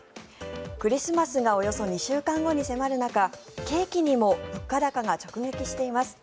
クリスマスがおよそ２週間後に迫る中ケーキにも物価高が直撃しています。